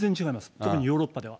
特にヨーロッパでは。